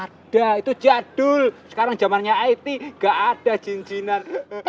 ada itu jadul sekarang zamannya it nggak ada jin jinan